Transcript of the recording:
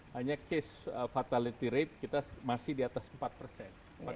hanya case fatality rate kita masih di atas empat persen